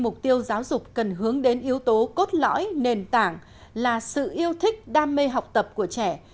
mục tiêu giáo dục cần hướng đến yếu tố cốt lõi nền tảng là sự yêu thích đam mê học tập của trẻ